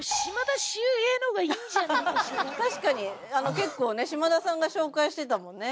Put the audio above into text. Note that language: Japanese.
確かに結構ね島田さんが紹介してたもんね